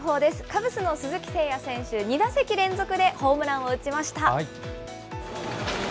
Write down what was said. カブスの鈴木誠也選手、２打席連続でホームランを打ちました。